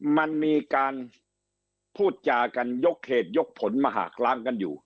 มันมีการพูดจากันยกเหตุยกผลมหากล้างกันอยู่